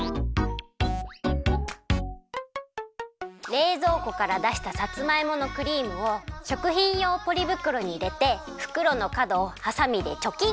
れいぞうこからだしたさつまいものクリームをしょくひんようポリぶくろにいれてふくろのかどをはさみでチョキン！